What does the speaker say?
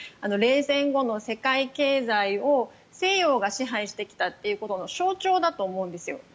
冷戦後の世界経済を西洋が支配してきたということの象徴だと思うんですよ。